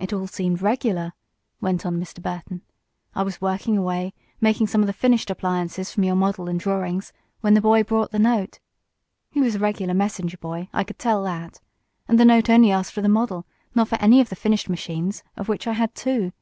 "It all seemed regular," went on Mr. Burton. "I was working away, making some of the finished appliances from your model and drawings, when the boy brought the note. He was a regular messenger boy, I could tell that. And the note only asked for the model not for any of the finished machines, of which I had two.